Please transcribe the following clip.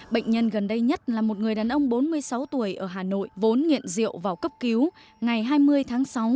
bệnh nhân gần đây nhất là một người đàn ông bốn mươi sáu tuổi ở hà nội vốn nghiện rượu vào cấp cứu ngày hai mươi tháng sáu